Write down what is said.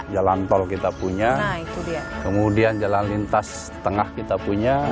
jalan tol kita punya kemudian jalan lintas tengah kita punya